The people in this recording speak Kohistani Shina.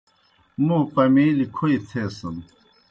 موں پمَیلیْ کھوئی تھیسِن۔